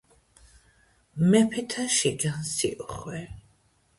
მეფეთა შიგან სიუხვე